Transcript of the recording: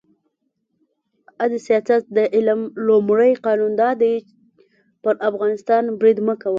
«عد سیاست د علم لومړی قانون دا دی: پر افغانستان برید مه کوه.